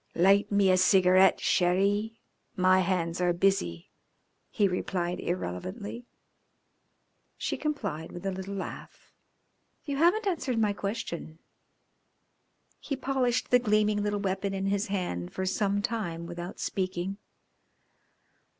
"Light me a cigarette, cherie, my hands are busy," he replied irrelevantly. She complied with a little laugh. "You haven't answered my question." He polished the gleaming little weapon in his hand for some time without speaking.